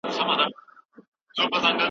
وفاداري او اطاعت د هر وګړي دنده ده.